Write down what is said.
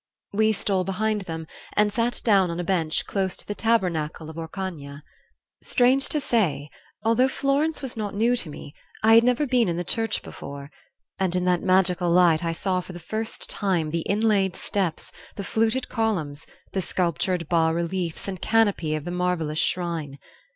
We stole behind them and sat down on a bench close to the tabernacle of Orcagna. "Strange to say, though Florence was not new to me, I had never been in the church before; and in that magical light I saw for the first time the inlaid steps, the fluted columns, the sculptured bas reliefs and canopy of the marvellous shrine.